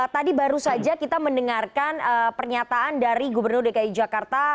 tadi baru saja kita mendengarkan pernyataan dari gubernur dki jakarta